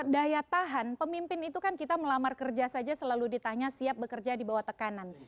daya tahan pemimpin itu kan kita melamar kerja saja selalu ditanya siap bekerja di bawah tekanan